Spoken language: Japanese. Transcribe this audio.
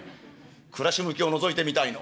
暮らし向きをのぞいてみたいの。